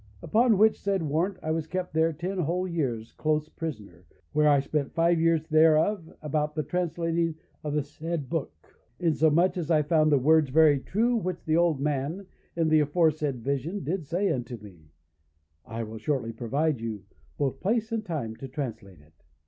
Upon which said warrant I was kept there ten whole years close prisoner, where I spent five years thereof about the translating of the said book; insomuch as I found the words very true which the old man, in the aforesaid vision, did say unto me: 'I will shortly provide for you both place and time to translate it.